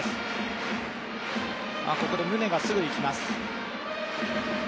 ここで宗がすぐ行きます。